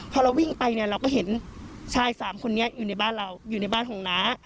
พอเราวิ่งไปเนี่ยเราก็เห็นชายสามคนนี้อยู่ในบ้านเราอยู่ในบ้านของน้า